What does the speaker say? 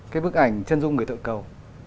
cái bức ảnh chân dung người tự cầu